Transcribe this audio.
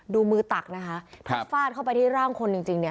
ดูมือตักพัดฟาดเข้าไปที่ร่างคนจริง